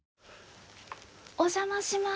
お邪魔します。